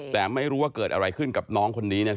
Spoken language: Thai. แต่ไม่รู้ว่าเกิดอะไรขึ้นกับน้องคนนี้